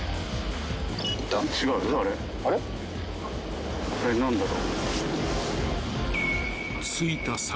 あれ何だろ？